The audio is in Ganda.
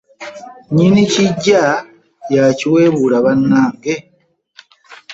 Nyini kiggwa y'akiwebuula bannange.